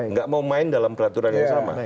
nggak mau main dalam peraturan yang sama